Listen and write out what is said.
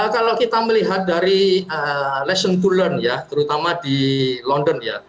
kalau kita melihat dari lesson to learn ya terutama di london ya